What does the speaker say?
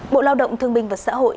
bộ lao động thương minh và xã hội